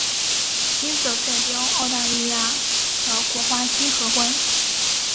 金色代表澳大利亚的国花金合欢。